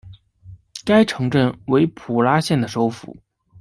该城镇为普拉县的首府。